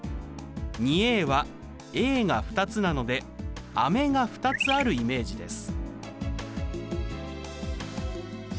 ２はが２つなので飴が２つあるイメージです。